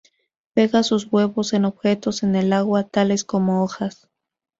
Pega sus huevos en objetos en el agua, tales como hojas.